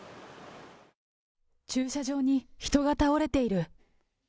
駐車場に人が倒れている。